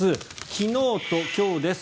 昨日と今日です。